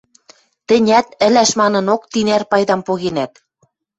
Тӹнят, ӹлӓш манынок, тинӓр пайдам погенӓт.